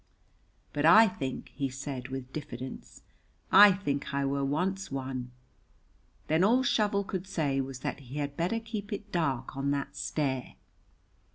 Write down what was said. "But I think," he said, with diffidence, "I think I were once one." Then all Shovel could say was that he had better keep it dark on that stair.